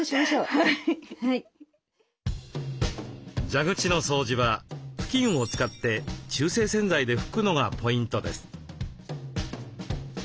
蛇口の掃除は布巾を使って中性洗剤で拭くのがポイントです。